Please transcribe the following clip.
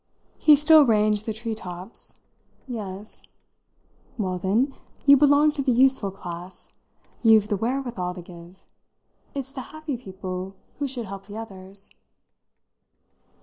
He still ranged the tree tops. "Yes." "Well, then, you belong to the useful class. You've the wherewithal to give. It's the happy people who should help the others."